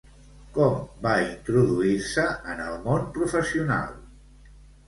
Com va introduir-se en el món professional?